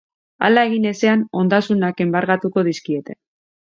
Hala egin ezean, ondasunak enbargatuko dizkiete.